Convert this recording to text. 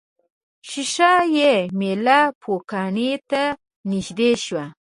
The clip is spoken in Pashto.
ښيښه یي میله پوکڼۍ ته نژدې شوه.